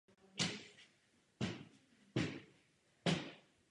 V zasedací místnosti bývalého obecního úřadu se každé pondělí schází ženy ke cvičení.